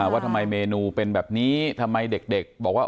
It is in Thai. ว่าทำไมเมนูเป็นแบบนี้ทำไมเด็กบอกว่า